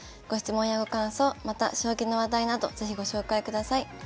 ご質問やご感想また将棋の話題など是非ご紹介ください。